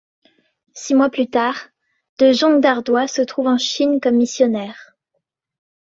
Six mois plus tard, De Jonghe d'Ardoye se trouve en Chine comme missionnaire.